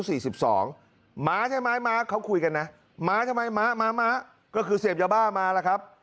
ไม้มาใช่ไม้มาเขาคุยกันนะมะใช่มั้ยมะมะมาก็คือเสพยาบ้ามาล่ะครับ